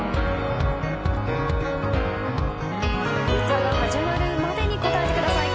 歌が始まるまでに答えてください。